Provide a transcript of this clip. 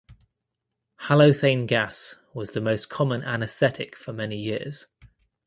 Halothane gas was the most common anaesthetic for many years.